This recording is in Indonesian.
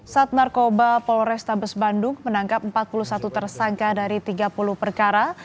sat narkoba polrestabes bandung menangkap empat puluh satu tersangka dari tiga puluh perkara